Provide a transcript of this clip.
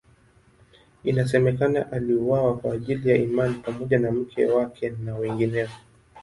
Inasemekana aliuawa kwa ajili ya imani pamoja na mke wake na wengineo.